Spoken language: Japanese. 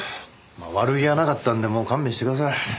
悪気はなかったんでもう勘弁してください。